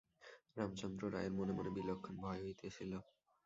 রামচন্দ্র রায়ের মনে মনে বিলক্ষণ ভয় হইতেছিল।